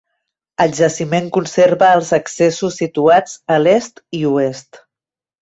El jaciment conserva els accessos situats a l'est i oest.